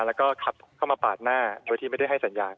แล้วก็ขับเข้ามาปาดหน้าโดยที่ไม่ได้ให้สัญญาณ